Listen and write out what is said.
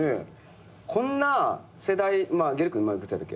こんな世代ゲル君今幾つやったっけ？